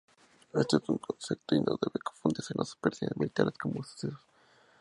Esto es un concepto, y no debe confundirse con las operaciones militares como sucesos.